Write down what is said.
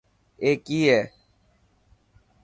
اي ڪي هي.